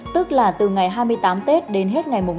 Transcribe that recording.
tức là từ ngày hai mươi tám tết đến hết ngày mùng năm